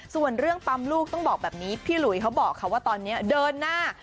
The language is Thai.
ส่วนเรื่องปั๊มลูกต้องบอกแบบนี้พี่หลุยเขาบอกค่ะว่าตอนนี้เดินหน้า